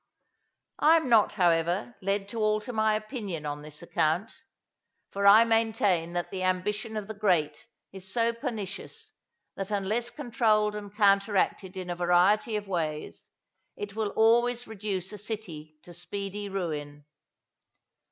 I am not, however, led to alter my opinion on this account; for I maintain that the ambition of the great is so pernicious that unless controlled and counteracted in a variety of ways, it will always reduce a city to speedy ruin.